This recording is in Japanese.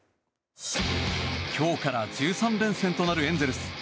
今日から１３連戦となるエンゼルス。